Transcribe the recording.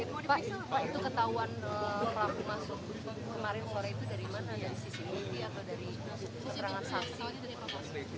dari sisi milik atau dari perangai saksi